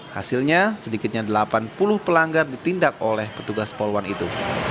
hasilnya sedikitnya delapan puluh pelanggar ditindak oleh petugas polwan itu